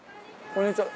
こんにちは。